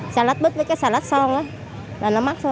xà lách bứt với cái xà lách son là nó mắc thôi